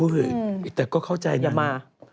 เฮ้ยแต่ก็เข้าใจมัน